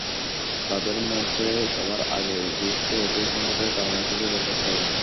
তাঁদের মতে, সবার আগে গ্রিসকে একই সংকটের কারণ খুঁজে বের করতে হবে।